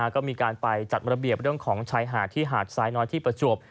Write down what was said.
ก็มีการไปจัดระเบียบเรื่องของชายหาดที่หาดซ้ายน้อยที่ประจวบ